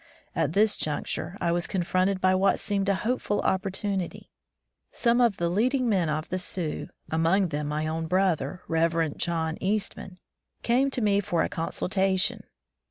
At this juncture, I was confronted by what seemed a hopeful opportunity. Some of the leading men of the Sioux, among them my own brother. Rev. John Eastman, came to me for a con sultation.